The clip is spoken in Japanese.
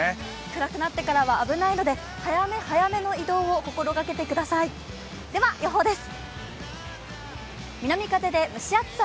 暗くなってからは危ないので早め早めの行動を心がけてください、では予報です。